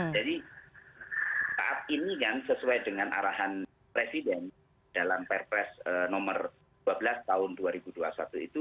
jadi saat ini kan sesuai dengan arahan presiden dalam perpres nomor dua belas tahun dua ribu dua puluh satu itu